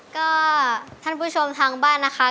ก็ท่านผู้ชมทางบ้านนะคะ